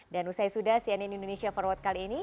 dan usai sudah cnn indonesia forward kali ini